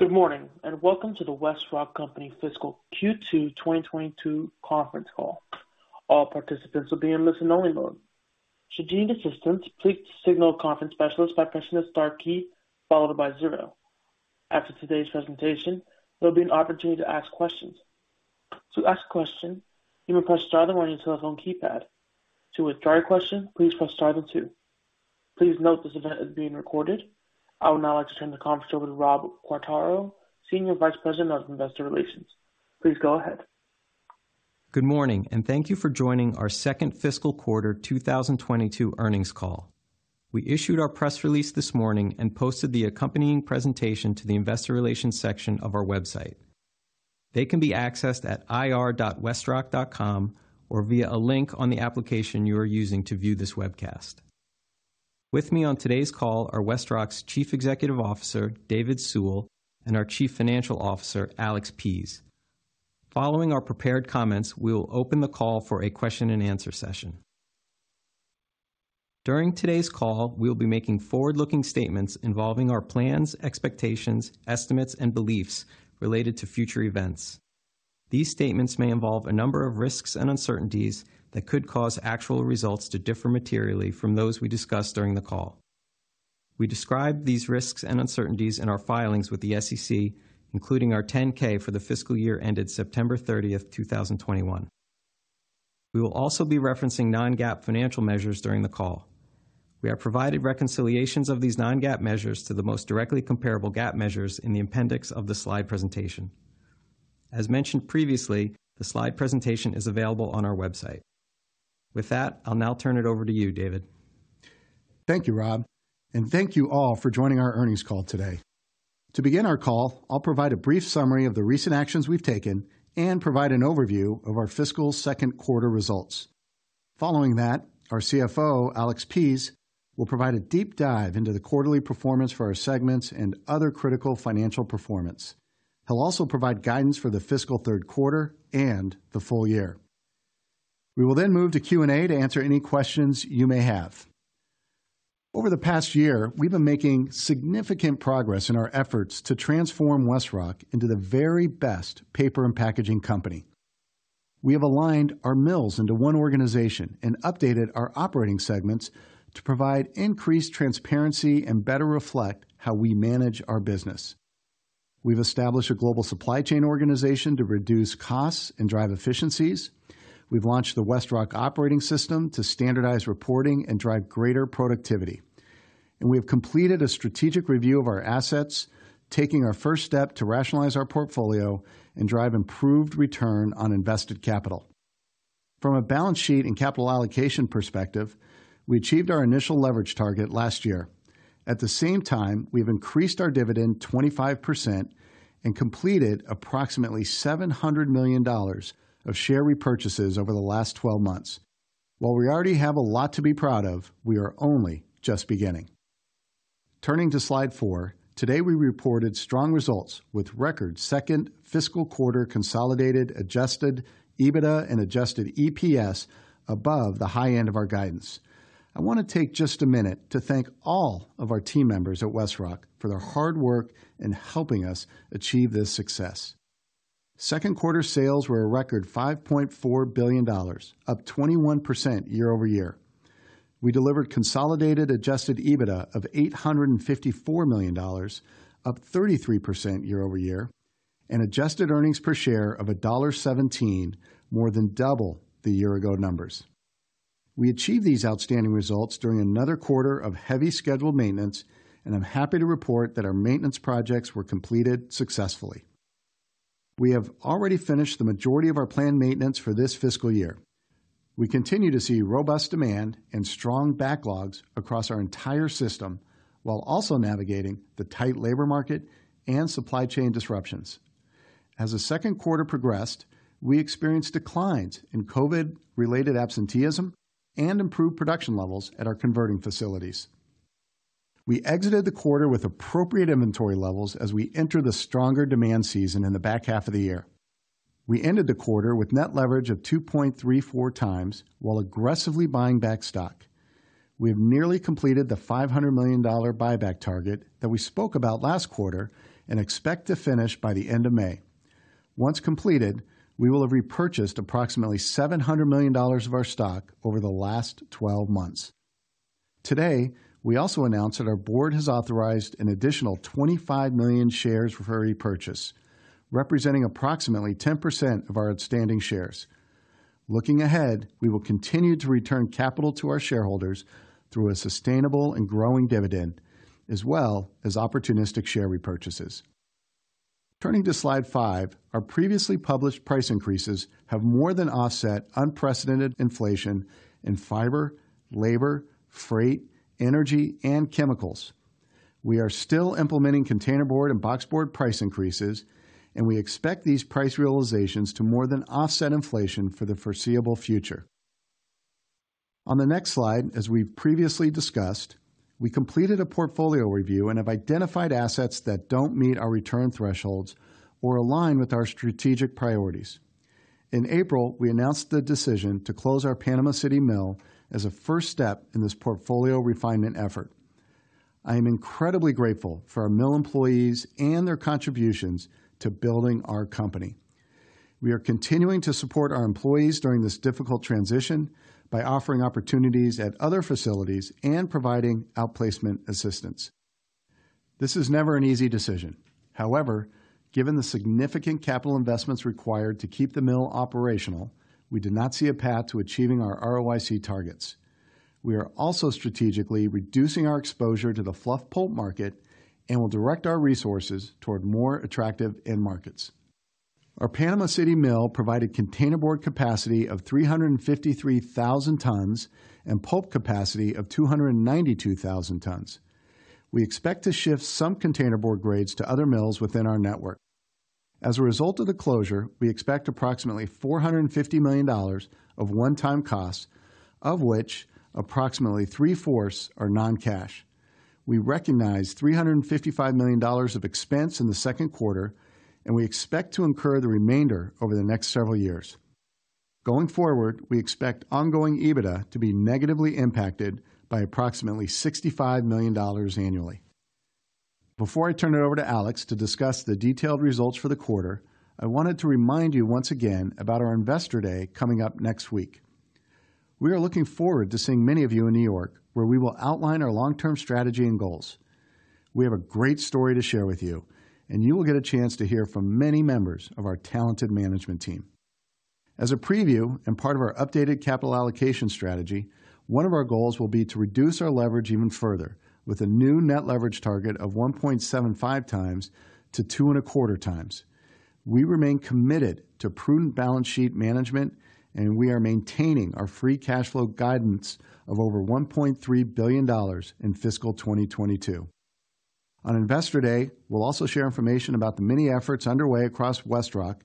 Good morning, and welcome to the WestRock Company Fiscal Q2 2022 Conference Call. All participants will be in listen-only mode. Should you need assistance, please signal a conference specialist by pressing the star key followed by zero. After today's presentation, there'll be an opportunity to ask questions. To ask a question, you may press star then one on your telephone keypad. To withdraw your question, please press star then two. Please note this event is being recorded. I would now like to turn the conference over to Rob Quartaro, Senior Vice President of Investor Relations. Please go ahead. Good morning, and thank you for joining our second fiscal quarter 2022 earnings call. We issued our press release this morning and posted the accompanying presentation to the Investor Relations section of our website. They can be accessed at ir.westrock.com or via a link on the application you are using to view this webcast. With me on today's call are WestRock's Chief Executive Officer, David Sewell, and our Chief Financial Officer, Alex Pease. Following our prepared comments, we will open the call for a question-and-answer session. During today's call, we'll be making forward-looking statements involving our plans, expectations, estimates, and beliefs related to future events. These statements may involve a number of risks and uncertainties that could cause actual results to differ materially from those we discuss during the call. We describe these risks and uncertainties in our filings with the SEC, including our 10-K for the fiscal year ended September 30th, 2021. We will also be referencing non-GAAP financial measures during the call. We have provided reconciliations of these non-GAAP measures to the most directly comparable GAAP measures in the appendix of the slide presentation. As mentioned previously, the slide presentation is available on our website. With that, I'll now turn it over to you, David. Thank you, Rob, and thank you all for joining our earnings call today. To begin our call, I'll provide a brief summary of the recent actions we've taken and provide an overview of our fiscal second quarter results. Following that, our CFO, Alex Pease, will provide a deep dive into the quarterly performance for our segments and other critical financial performance. He'll also provide guidance for the fiscal third quarter and the full year. We will then move to Q&A to answer any questions you may have. Over the past year, we've been making significant progress in our efforts to transform WestRock into the very best paper and packaging company. We have aligned our mills into one organization and updated our operating segments to provide increased transparency and better reflect how we manage our business. We've established a global supply chain organization to reduce costs and drive efficiencies. We've launched the WestRock operating system to standardize reporting and drive greater productivity. We have completed a strategic review of our assets, taking our first step to rationalize our portfolio and drive improved return on invested capital. From a balance sheet and capital allocation perspective, we achieved our initial leverage target last year. At the same time, we've increased our dividend 25% and completed approximately $700 million of share repurchases over the last 12 months. While we already have a lot to be proud of, we are only just beginning. Turning to slide four. Today, we reported strong results with record second fiscal quarter consolidated Adjusted EBITDA and Adjusted EPS above the high end of our guidance. I wanna take just a minute to thank all of our team members at WestRock for their hard work in helping us achieve this success. Second-quarter sales were a record $5.4 billion, up 21% year-over-year. We delivered consolidated Adjusted EBITDA of $854 million, up 33% year-over-year, and adjusted earnings per share of $1.17, more than double the year-ago numbers. We achieved these outstanding results during another quarter of heavy scheduled maintenance, and I'm happy to report that our maintenance projects were completed successfully. We have already finished the majority of our planned maintenance for this fiscal year. We continue to see robust demand and strong backlogs across our entire system while also navigating the tight labor market and supply chain disruptions. As the second quarter progressed, we experienced declines in COVID-related absenteeism and improved production levels at our converting facilities. We exited the quarter with appropriate inventory levels as we enter the stronger demand season in the back half of the year. We ended the quarter with net leverage of 2.34x while aggressively buying back stock. We have nearly completed the $500 million buyback target that we spoke about last quarter and expect to finish by the end of May. Once completed, we will have repurchased approximately $700 million of our stock over the last 12 months. Today, we also announced that our board has authorized an additional 25 million shares for repurchase, representing approximately 10% of our outstanding shares. Looking ahead, we will continue to return capital to our shareholders through a sustainable and growing dividend, as well as opportunistic share repurchases. Turning to slide five. Our previously published price increases have more than offset unprecedented inflation in fiber, labor, freight, energy, and chemicals. We are still implementing containerboard and boxboard price increases, and we expect these price realizations to more than offset inflation for the foreseeable future. On the next slide, as we've previously discussed, we completed a portfolio review and have identified assets that don't meet our return thresholds or align with our strategic priorities. In April, we announced the decision to close our Panama City mill as a first step in this portfolio refinement effort. I am incredibly grateful for our mill employees and their contributions to building our company. We are continuing to support our employees during this difficult transition by offering opportunities at other facilities and providing outplacement assistance. This is never an easy decision. However, given the significant capital investments required to keep the mill operational, we did not see a path to achieving our ROIC targets. We are also strategically reducing our exposure to the fluff pulp market and will direct our resources toward more attractive end markets. Our Panama City mill provided containerboard capacity of 353,000 tons and pulp capacity of 292,000 tons. We expect to shift some containerboard grades to other mills within our network. As a result of the closure, we expect approximately $450 million of one-time costs, of which approximately three-fourths are non-cash. We recognized $355 million of expense in the second quarter, and we expect to incur the remainder over the next several years. Going forward, we expect ongoing EBITDA to be negatively impacted by approximately $65 million annually. Before I turn it over to Alex to discuss the detailed results for the quarter, I wanted to remind you once again about our Investor Day coming up next week. We are looking forward to seeing many of you in New York, where we will outline our long-term strategy and goals. We have a great story to share with you, and you will get a chance to hear from many members of our talented management team. As a preview and part of our updated capital allocation strategy, one of our goals will be to reduce our leverage even further with a new net leverage target of 1.75x-2.25x. We remain committed to prudent balance sheet management, and we are maintaining our free cash flow guidance of over $1.3 billion in fiscal 2022. On Investor Day, we'll also share information about the many efforts underway across WestRock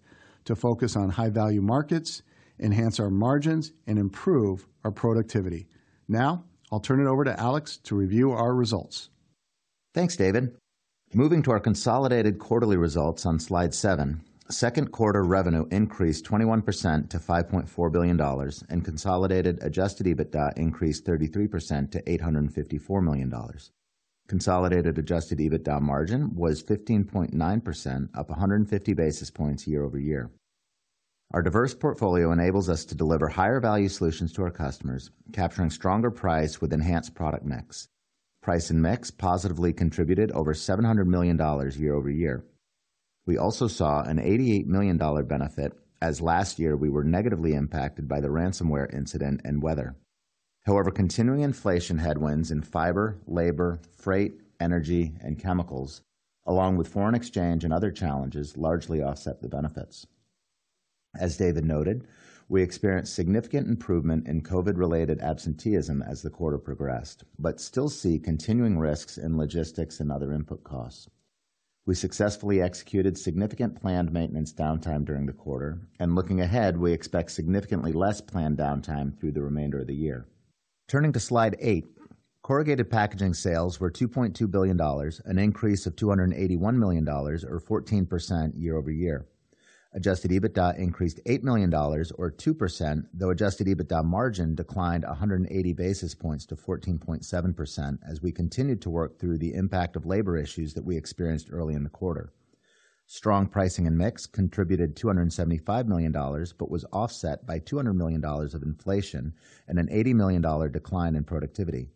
to focus on high-value markets, enhance our margins, and improve our productivity. Now, I'll turn it over to Alex to review our results. Thanks, David. Moving to our consolidated quarterly results on slide seven, second quarter revenue increased 21% to $5.4 billion and consolidated Adjusted EBITDA increased 33% to $854 million. Consolidated Adjusted EBITDA margin was 15.9%, up 150 basis points year-over-year. Our diverse portfolio enables us to deliver higher-value solutions to our customers, capturing stronger price with enhanced product mix. Price and mix positively contributed over $700 million year-over-year. We also saw an $88 million benefit, as last year we were negatively impacted by the ransomware incident and weather. However, continuing inflation headwinds in fiber, labor, freight, energy, and chemicals, along with foreign exchange and other challenges, largely offset the benefits. As David noted, we experienced significant improvement in COVID-related absenteeism as the quarter progressed, but still see continuing risks in logistics and other input costs. We successfully executed significant planned maintenance downtime during the quarter. Looking ahead, we expect significantly less planned downtime through the remainder of the year. Turning to slide eight, corrugated packaging sales were $2.2 billion, an increase of $281 million or 14% year-over-year. Adjusted EBITDA increased $8 million or 2%, though Adjusted EBITDA margin declined 180 basis points to 14.7% as we continued to work through the impact of labor issues that we experienced early in the quarter. Strong pricing and mix contributed $275 million but was offset by $200 million of inflation and an $80 million decline in productivity.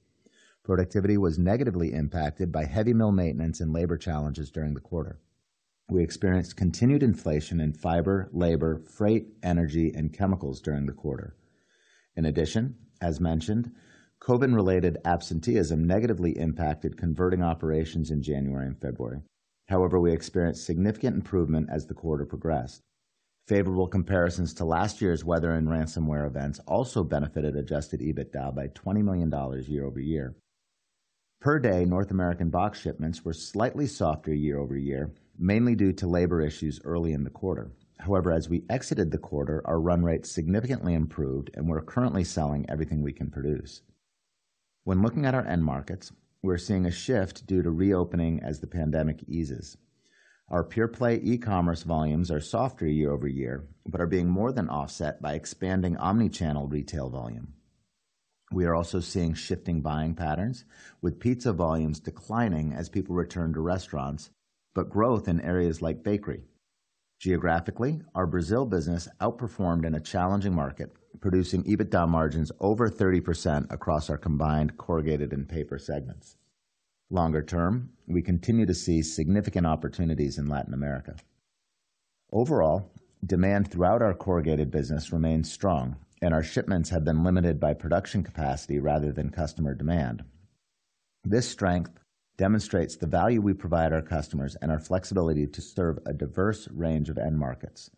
Productivity was negatively impacted by heavy mill maintenance and labor challenges during the quarter. We experienced continued inflation in fiber, labor, freight, energy, and chemicals during the quarter. In addition, as mentioned, COVID-related absenteeism negatively impacted converting operations in January and February. However, we experienced significant improvement as the quarter progressed. Favorable comparisons to last year's weather and Ransomware Events also benefited Adjusted EBITDA by $20 million year-over-year. Per day, North American box shipments were slightly softer year-over-year, mainly due to labor issues early in the quarter. However, as we exited the quarter, our run rates significantly improved, and we're currently selling everything we can produce. When looking at our end markets, we're seeing a shift due to reopening as the pandemic eases. Our pure-play e-commerce volumes are softer year-over-year, but are being more than offset by expanding omnichannel retail volume. We are also seeing shifting buying patterns, with pizza volumes declining as people return to restaurants, but growth in areas like bakery. Geographically, our Brazil business outperformed in a challenging market, producing EBITDA margins over 30% across our combined corrugated and paper segments. Longer term, we continue to see significant opportunities in Latin America. Overall, demand throughout our corrugated business remains strong, and our shipments have been limited by production capacity rather than customer demand. This strength demonstrates the value we provide our customers and our flexibility to serve a diverse range of end markets.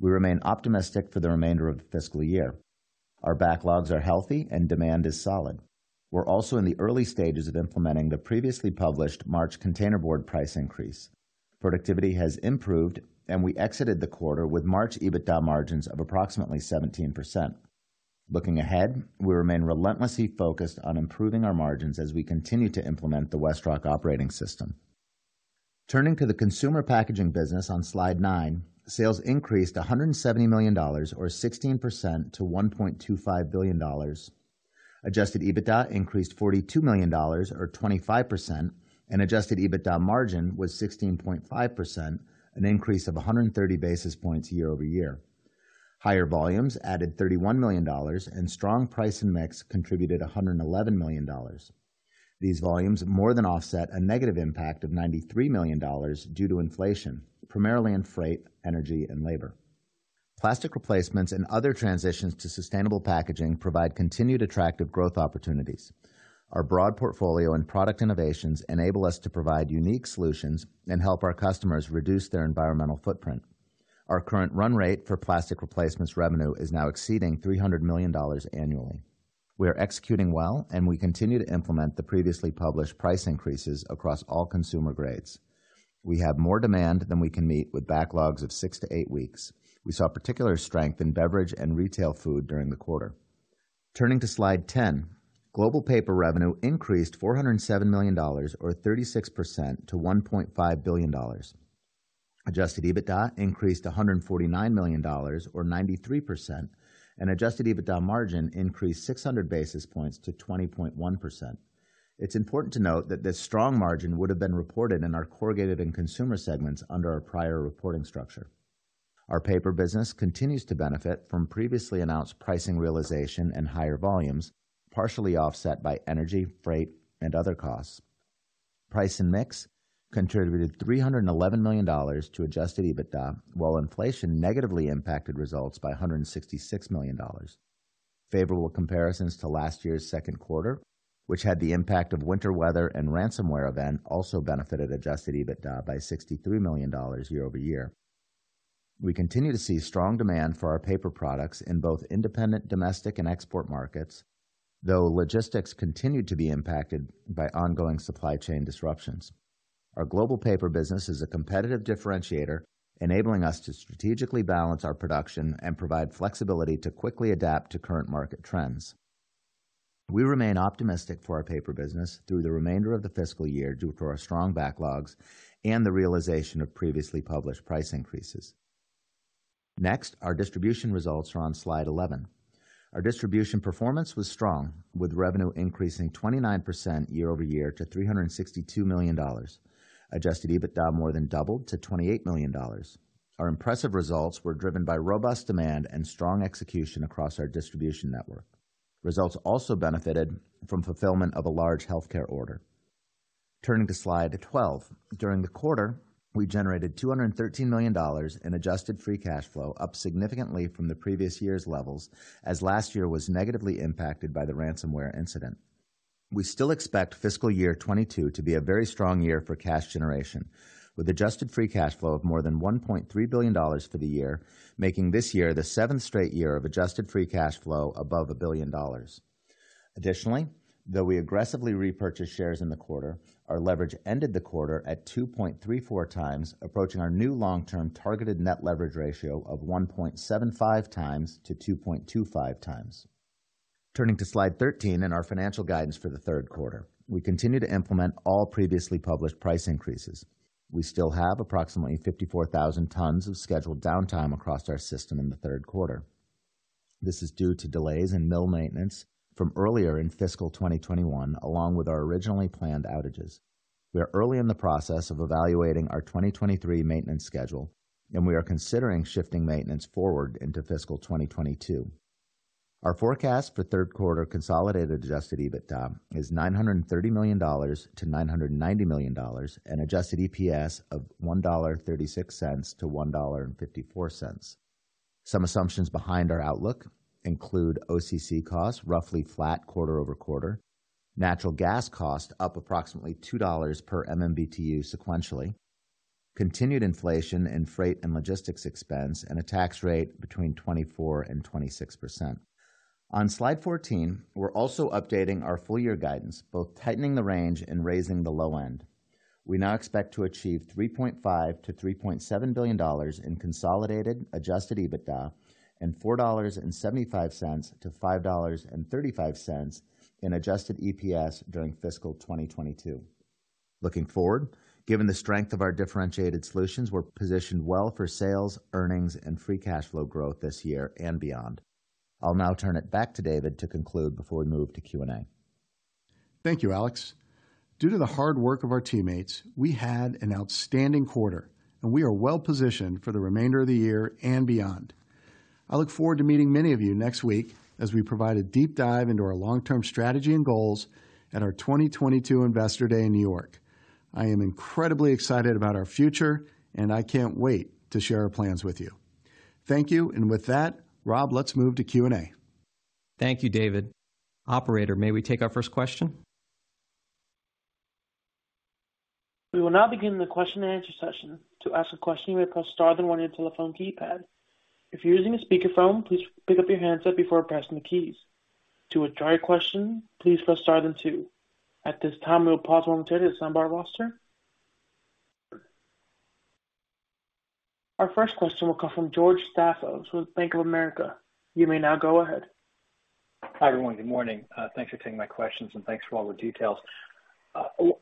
We remain optimistic for the remainder of the fiscal year. Our backlogs are healthy and demand is solid. We're also in the early stages of implementing the previously published March Containerboard price increase. Productivity has improved, and we exited the quarter with March EBITDA margins of approximately 17%. Looking ahead, we remain relentlessly focused on improving our margins as we continue to implement the WestRock operating system. Turning to the consumer packaging business on slide nine. Sales increased $170 million or 16% to $1.25 billion. Adjusted EBITDA increased $42 million or 25%, and Adjusted EBITDA margin was 16.5%, an increase of 130 basis points year-over-year. Higher volumes added $31 million and strong price and mix contributed $111 million. These volumes more than offset a negative impact of $93 million due to inflation, primarily in freight, energy, and labor. Plastic replacements and other transitions to sustainable packaging provide continued attractive growth opportunities. Our broad portfolio and product innovations enable us to provide unique solutions and help our customers reduce their environmental footprint. Our current run rate for plastic replacements revenue is now exceeding $300 million annually. We are executing well, and we continue to implement the previously published price increases across all consumer grades. We have more demand than we can meet with backlogs of six-eight weeks. We saw particular strength in beverage and retail food during the quarter. Turning to slide 10. Global Paper revenue increased $407 million or 36% to $1.5 billion. Adjusted EBITDA increased $149 million or 93%, and Adjusted EBITDA margin increased 600 basis points to 20.1%. It's important to note that this strong margin would have been reported in our corrugated and consumer segments under our prior reporting structure. Our paper business continues to benefit from previously announced pricing realization and higher volumes, partially offset by energy, freight, and other costs. Price and mix contributed $311 million to Adjusted EBITDA, while inflation negatively impacted results by $166 million. Favorable comparisons to last year's second quarter, which had the impact of winter weather and Ransomware Event, also benefited Adjusted EBITDA by $63 million year-over-year. We continue to see strong demand for our paper products in both independent domestic and export markets, though logistics continued to be impacted by ongoing supply chain disruptions. Our Global Paper business is a competitive differentiator, enabling us to strategically balance our production and provide flexibility to quickly adapt to current market trends. We remain optimistic for our paper business through the remainder of the fiscal year due to our strong backlogs and the realization of previously published price increases. Next, our distribution results are on slide 11. Our distribution performance was strong, with revenue increasing 29% year-over-year to $362 million. Adjusted EBITDA more than doubled to $28 million. Our impressive results were driven by robust demand and strong execution across our distribution network. Results also benefited from fulfillment of a large healthcare order. Turning to slide 12. During the quarter, we generated $213 million in adjusted free cash flow, up significantly from the previous year's levels, as last year was negatively impacted by the ransomware incident. We still expect fiscal year 2022 to be a very strong year for cash generation, with adjusted free cash flow of more than $1.3 billion for the year, making this year the seventh straight year of adjusted free cash flow above $1 billion. Additionally, though we aggressively repurchased shares in the quarter, our leverage ended the quarter at 2.34x, approaching our new long-term targeted net leverage ratio of 1.75x-2.25x. Turning to slide 13 and our financial guidance for the third quarter. We continue to implement all previously published price increases. We still have approximately 54,000 tons of scheduled downtime across our system in the third quarter. This is due to delays in mill maintenance from earlier in fiscal 2021, along with our originally planned outages. We are early in the process of evaluating our 2023 maintenance schedule, and we are considering shifting maintenance forward into fiscal 2022. Our forecast for third quarter consolidated Adjusted EBITDA is $930 million-$990 million, an Adjusted EPS of $1.36-$1.54. Some assumptions behind our outlook include OCC costs roughly flat quarter-over-quarter, natural gas cost up approximately $2 per MMBTu sequentially, continued inflation in freight and logistics expense, and a tax rate between 24%-26%. On slide 14, we're also updating our full year guidance, both tightening the range and raising the low end. We now expect to achieve $3.5 billion-$3.7 billion in consolidated Adjusted EBITDA and $4.75-$5.35 in Adjusted EPS during fiscal 2022. Looking forward, given the strength of our differentiated solutions, we're positioned well for sales, earnings, and free cash flow growth this year and beyond. I'll now turn it back to David to conclude before we move to Q&A. Thank you, Alex. Due to the hard work of our teammates, we had an outstanding quarter, and we are well positioned for the remainder of the year and beyond. I look forward to meeting many of you next week as we provide a deep dive into our long-term strategy and goals at our 2022 Investor Day in New York. I am incredibly excited about our future, and I can't wait to share our plans with you. Thank you. With that, Rob, let's move to Q&A. Thank you, David. Operator, may we take our first question? We will now begin the question and answer session. To ask a question, you may press star then one on your telephone keypad. If you're using a speakerphone, please pick up your handset before pressing the keys. To withdraw your question, please press star then two. At this time, we will pause momentarily as we assemble our roster. Our first question will come from George Staphos with Bank of America. You may now go ahead. Hi, everyone. Good morning. Thanks for taking my questions, and thanks for all the details.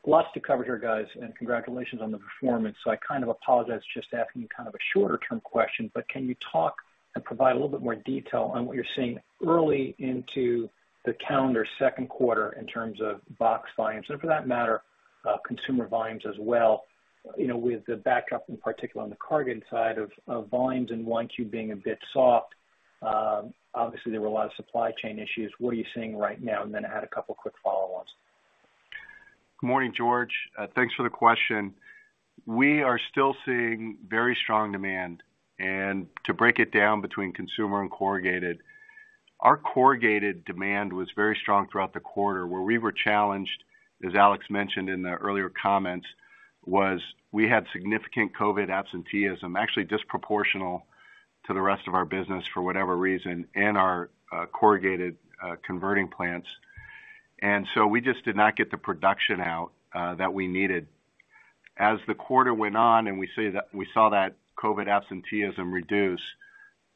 Lots to cover here, guys, and congratulations on the performance. I kind of apologize just asking kind of a shorter term question, but can you talk and provide a little bit more detail on what you're seeing early into the calendar second quarter in terms of box volumes and for that matter, consumer volumes as well, you know, with the backup in particular on the cargo inside of volumes in 1Q being a bit soft? Obviously there were a lot of supply chain issues. What are you seeing right now? I had a couple quick follow-ups. Good morning, George. Thanks for the question. We are still seeing very strong demand. To break it down between consumer and corrugated, our corrugated demand was very strong throughout the quarter. Where we were challenged, as Alex mentioned in the earlier comments, was we had significant COVID absenteeism, actually disproportionate to the rest of our business for whatever reason in our corrugated converting plants. We just did not get the production out that we needed. As the quarter went on, we saw that COVID absenteeism reduce,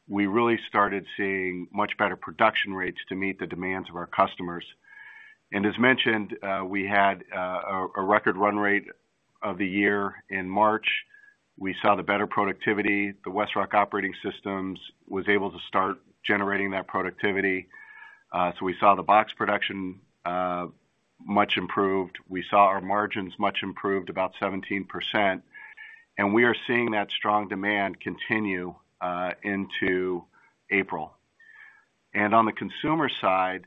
we really started seeing much better production rates to meet the demands of our customers. As mentioned, we had a record run rate of the year in March. We saw the better productivity. The WestRock operating system was able to start generating that productivity. We saw the box production much improved. We saw our margins much improved, about 17%. We are seeing that strong demand continue into April. On the consumer side,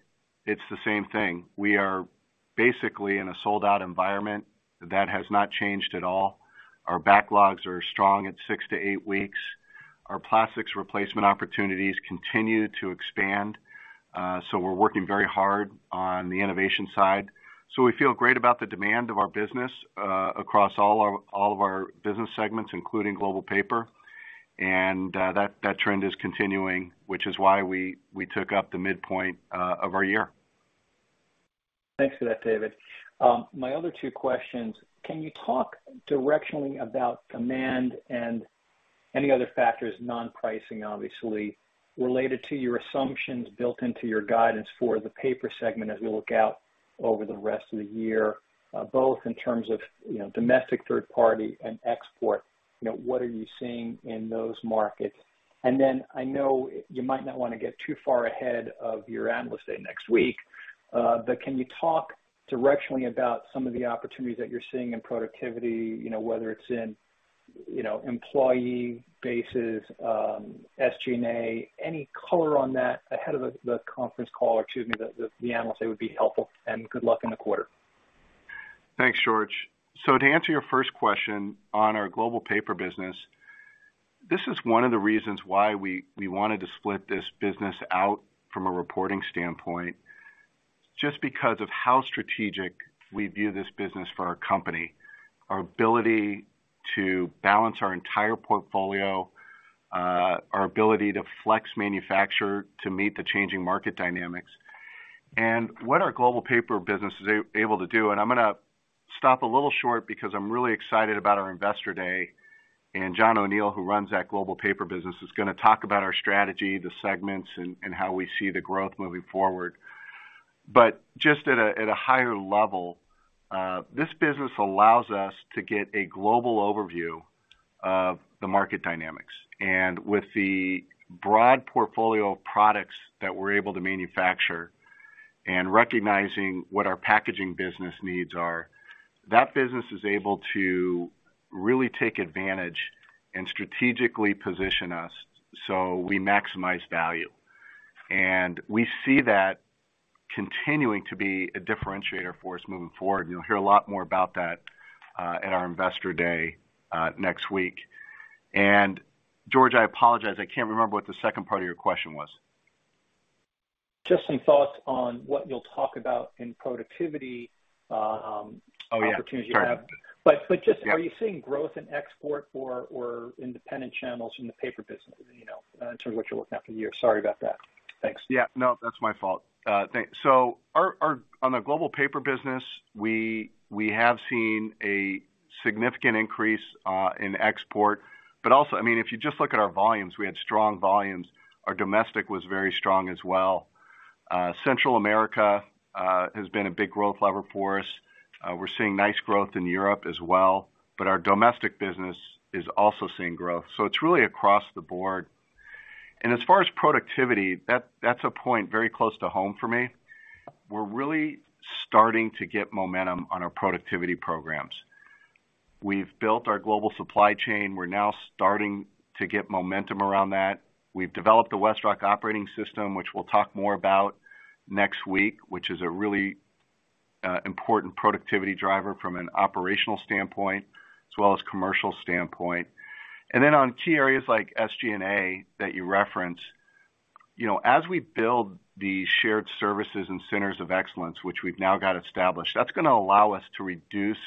it's the same thing. We are basically in a sold-out environment. That has not changed at all. Our backlogs are strong at six-eight weeks. Our plastics replacement opportunities continue to expand, so we're working very hard on the innovation side. We feel great about the demand of our business across all of our business segments, including Global Paper. That trend is continuing, which is why we took up the midpoint of our year. Thanks for that, David. My other two questions, can you talk directionally about demand and any other factors, non-pricing, obviously, related to your assumptions built into your guidance for the paper segment as we look out over the rest of the year, both in terms of, you know, domestic third party and export, you know, what are you seeing in those markets? Then I know you might not want to get too far ahead of your Analyst Day next week, but can you talk directionally about some of the opportunities that you're seeing in productivity, you know, whether it's in, you know, employee bases, SG&A, any color on that ahead of the Analyst Day would be helpful. Good luck in the quarter. Thanks, George. To answer your first question on our Global Paper business, this is one of the reasons why we wanted to split this business out from a reporting standpoint, just because of how strategic we view this business for our company, our ability to balance our entire portfolio, our ability to flex-manufacture to meet the changing market dynamics. What our Global Paper business is able to do, and I'm gonna stop a little short because I'm really excited about our Investor Day, and John O'Neal, who runs that Global Paper business, is gonna talk about our strategy, the segments, and how we see the growth moving forward. Just at a higher level, this business allows us to get a global overview of the market dynamics. With the broad portfolio of products that we're able to manufacture and recognizing what our packaging business needs are, that business is able to really take advantage and strategically position us so we maximize value. We see that continuing to be a differentiator for us moving forward. You'll hear a lot more about that at our Investor Day next week. George, I apologize, I can't remember what the second part of your question was. Just some thoughts on what you'll talk about in productivity- Oh, yeah.... opportunity to have. Yeah. Are you seeing growth in export or independent channels in the paper business, you know, in terms of what you're looking at for the year? Sorry about that. Thanks. Yeah. No, that's my fault. Our on the Global Paper business, we have seen a significant increase in export. Also, I mean, if you just look at our volumes, we had strong volumes. Our domestic was very strong as well. Central America has been a big growth lever for us. We're seeing nice growth in Europe as well, but our domestic business is also seeing growth. It's really across the board. As far as productivity, that's a point very close to home for me. We're really starting to get momentum on our productivity programs. We've built our global supply chain. We're now starting to get momentum around that. We've developed the WestRock operating system, which we'll talk more about next week, which is a really important productivity driver from an operational standpoint as well as commercial standpoint. On key areas like SG&A that you referenced, you know, as we build these shared services and centers of excellence, which we've now got established, that's gonna allow us to reduce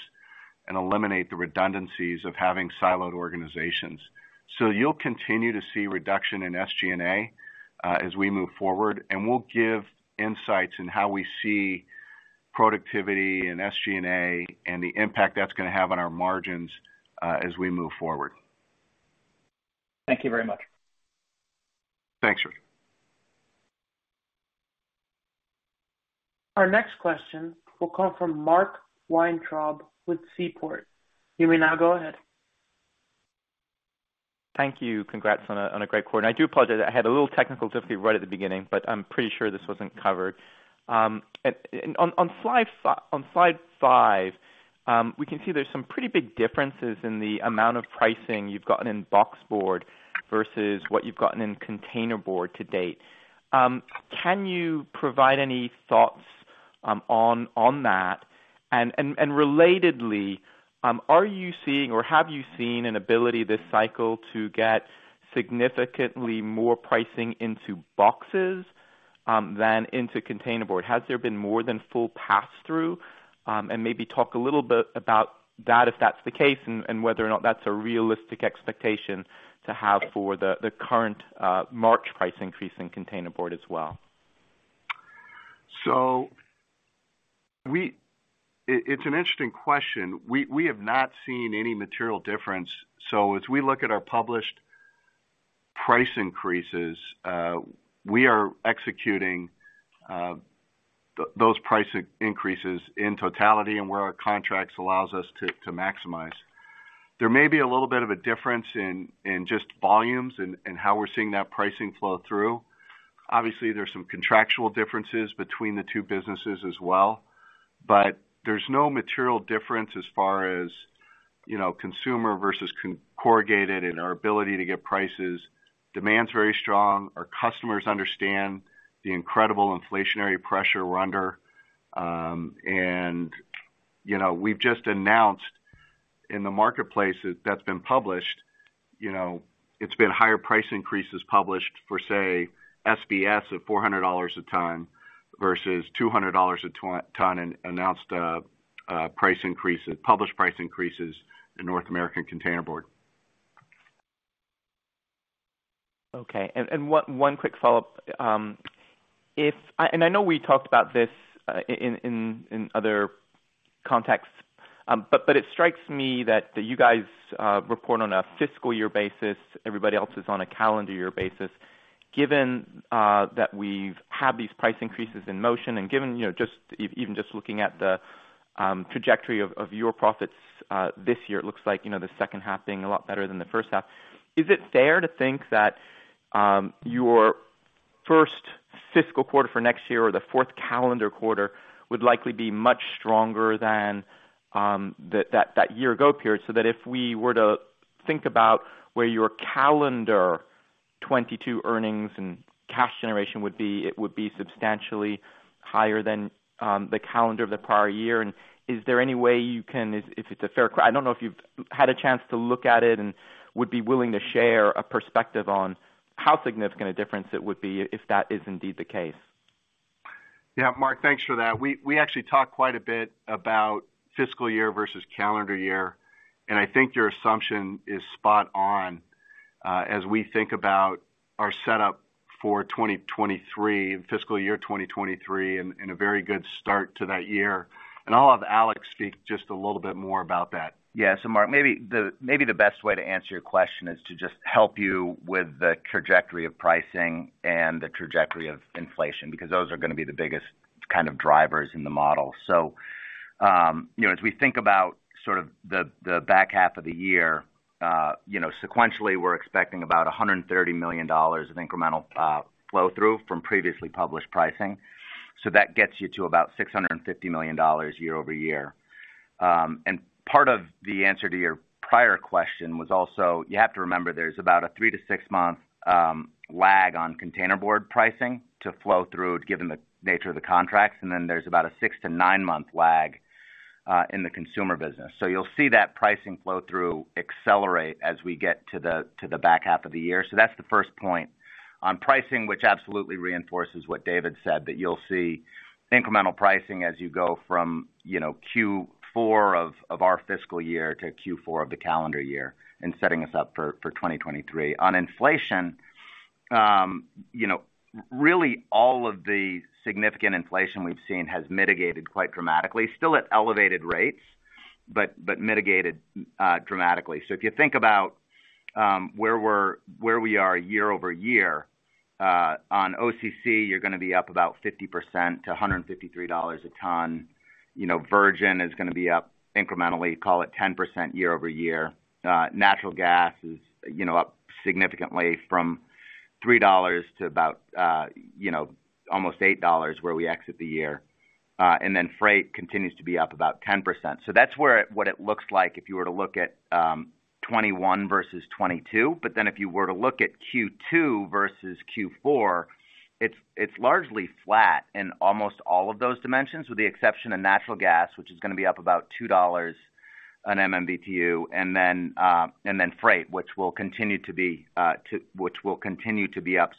and eliminate the redundancies of having siloed organizations. You'll continue to see reduction in SG&A as we move forward, and we'll give insights in how we see productivity and SG&A and the impact that's gonna have on our margins as we move forward. Thank you very much. Thanks, George. Our next question will come from Mark Weintraub with Seaport. You may now go ahead. Thank you. Congrats on a great quarter. I do apologize, I had a little technical difficulty right at the beginning, but I'm pretty sure this wasn't covered. On slide five, we can see there's some pretty big differences in the amount of pricing you've gotten in boxboard versus what you've gotten in containerboard to date. Can you provide any thoughts on that? Relatedly, are you seeing or have you seen an ability this cycle to get significantly more pricing into boxes than into containerboard? Has there been more than full pass-through? Maybe talk a little bit about that if that's the case and whether or not that's a realistic expectation to have for the current March price increase in containerboard as well. It's an interesting question. We have not seen any material difference. As we look at our published price increases, we are executing those price increases in totality and where our contracts allows us to maximize. There may be a little bit of a difference in just volumes and how we're seeing that pricing flow through. Obviously, there's some contractual differences between the two businesses as well, but there's no material difference as far as, you know, consumer versus corrugated in our ability to get prices. Demand's very strong. Our customers understand the incredible inflationary pressure we're under. You know, we've just announced in the marketplace that's been published, you know, it's been higher price increases published for, say, SBS of $400 a ton versus $200 a ton in announced price increases published in North American Containerboard. Okay. One quick follow-up. I know we talked about this in other contexts. It strikes me that you guys report on a fiscal year basis, everybody else is on a calendar year basis. Given that we've had these price increases in motion and given, you know, just even just looking at the trajectory of your profits this year, it looks like, you know, the second half being a lot better than the first half. Is it fair to think that your first fiscal quarter for next year or the fourth calendar quarter would likely be much stronger than that year-ago period, so that if we were to think about where your calendar 2022 earnings and cash generation would be, it would be substantially higher than the calendar of the prior year? Is there any way you can. If it's a fair question, I don't know if you've had a chance to look at it and would be willing to share a perspective on how significant a difference it would be if that is indeed the case. Yeah. Mark, thanks for that. We actually talked quite a bit about fiscal year versus calendar year, and I think your assumption is spot on, as we think about our setup for 2023, fiscal year 2023, and a very good start to that year. I'll have Alex speak just a little bit more about that. Yeah. Mark, maybe the best way to answer your question is to just help you with the trajectory of pricing and the trajectory of inflation, because those are gonna be the biggest kind of drivers in the model. You know, as we think about the back half of the year, you know, sequentially, we're expecting about $130 million of incremental flow through from previously published pricing. That gets you to about $650 million year-over-year. And part of the answer to your prior question was also, you have to remember there's about a three- to six-month lag on Containerboard pricing to flow through given the nature of the contracts. Then there's about a six- to nine-month lag in the consumer business. You'll see that pricing flow through accelerate as we get to the back half of the year. That's the first point. On pricing, which absolutely reinforces what David said, that you'll see incremental pricing as you go from, you know, Q4 of our fiscal year to Q4 of the calendar year and setting us up for 2023. On inflation, really all of the significant inflation we've seen has mitigated quite dramatically. Still at elevated rates, but mitigated dramatically. If you think about where we are year-over-year on OCC, you're gonna be up about 50% to $153 a ton. You know, virgin is gonna be up incrementally, call it 10% year-over-year. Natural gas is, you know, up significantly from $3 to about, you know, almost $8 where we exit the year. And then freight continues to be up about 10%. That's where it—what it looks like if you were to look at 2021 versus 2022. Then if you were to look at Q2 versus Q4, it's largely flat in almost all of those dimensions, with the exception of natural gas, which is gonna be up about $2 on MMBTu, and then freight, which will continue to be up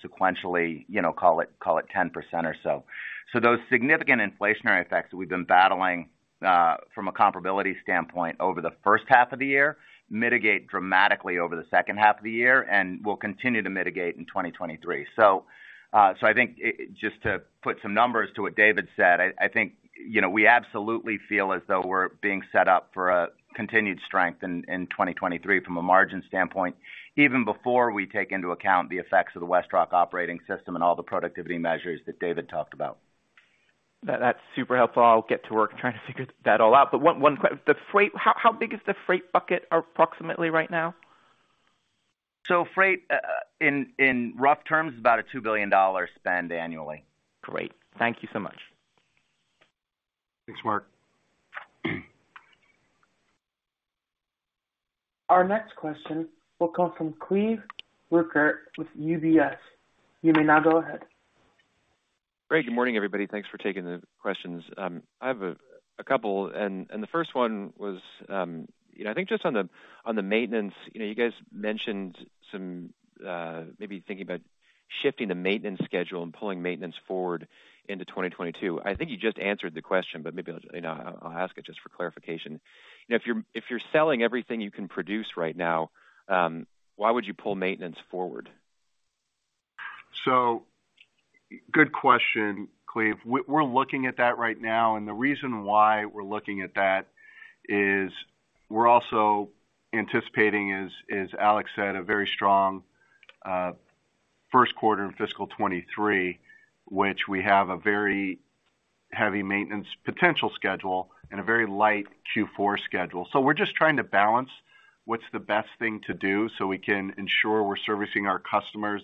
sequentially, you know, call it 10% or so. Those significant inflationary effects we've been battling, from a comparability standpoint over the first half of the year, mitigate dramatically over the second half of the year, and will continue to mitigate in 2023. I think just to put some numbers to what David said, I think, you know, we absolutely feel as though we're being set up for a continued strength in 2023 from a margin standpoint, even before we take into account the effects of the WestRock operating system and all the productivity measures that David talked about. That's super helpful. I'll get to work trying to figure that all out. One, the freight, how big is the freight bucket approximately right now? Freight, in rough terms, about a $2 billion spend annually. Great. Thank you so much. Thanks, Mark. Our next question will come from Cleve Rueckert with UBS. You may now go ahead. Great. Good morning, everybody. Thanks for taking the questions. I have a couple and the first one was, you know, I think just on the maintenance, you know, you guys mentioned some maybe thinking about shifting the maintenance schedule and pulling maintenance forward into 2022. I think you just answered the question, but maybe I'll, you know, I'll ask it just for clarification. You know, if you're selling everything you can produce right now, why would you pull maintenance forward? Good question, Cleve. We're looking at that right now, and the reason why we're looking at that is we're also anticipating, as Alex said, a very strong first quarter in fiscal 2023, which we have a very heavy maintenance potential schedule and a very light Q4 schedule. We're just trying to balance what's the best thing to do so we can ensure we're servicing our customers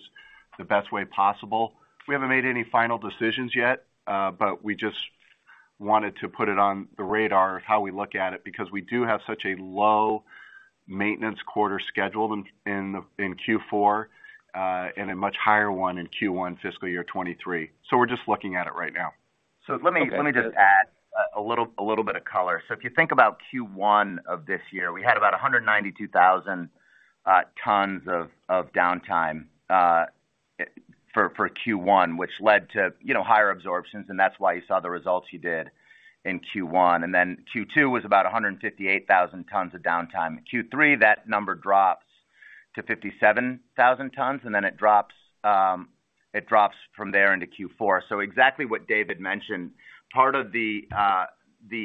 the best way possible. We haven't made any final decisions yet, but we just wanted to put it on the radar of how we look at it because we do have such a low maintenance quarter scheduled in Q4, and a much higher one in Q1 fiscal year 2023. We're just looking at it right now. So let me- Okay. Let me just add a little bit of color. If you think about Q1 of this year, we had about 192,000 tons of downtime for Q1, which led to, you know, higher absorptions, and that's why you saw the results you did in Q1. Q2 was about 158,000 tons of downtime. In Q3, that number drops to 57,000 tons, and then it drops from there into Q4. Exactly what David mentioned, part of the